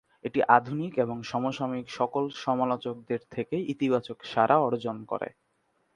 এটি আধুনিক এবং সমসাময়িক সকল সমালোচকদের থেকে ইতিবাচক সাড়া অর্জন করে।